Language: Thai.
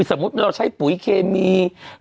สมมุติเราใช้ปุ๋ยเคมี